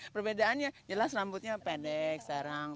perbedaannya jelas rambutnya pendek sekarang